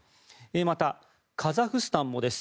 また、カザフスタンもです。